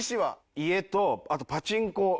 家とあとパチンコ。